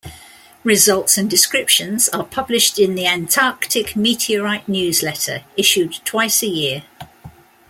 Results and descriptions are published in the Antarctic Meteorite Newsletter, issued twice a year.